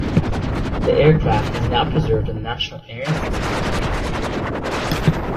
This aircraft is now preserved in the National Air and Space Museum.